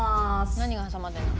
何が挟まってるの？